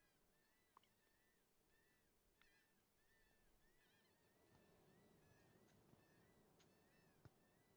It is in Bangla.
একাধিক বিষয়বস্তু ব্যবহার করে জনাকীর্ণ করে ফেলার জন্য উপন্যাসটির সমালোচনা করা যেতেই পারে কিন্তু সামগ্রিকভাবে এটিকে সবাই বেশ পছন্দ করেছিল।